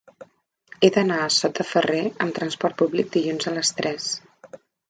He d'anar a Sot de Ferrer amb transport públic dilluns a les tres.